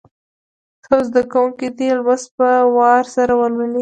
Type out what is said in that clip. څو زده کوونکي دي لوست په وار سره ولولي.